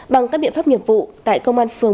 bằng các biện pháp nghiệp vụ tại công an phường